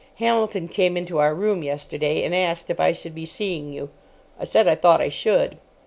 Hamilton came into our room yesterday, and asked if I should be seeing you. I said I thought I should.